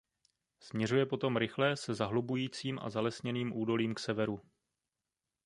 Směřuje potom rychle se zahlubujícím a zalesněným údolím k severu.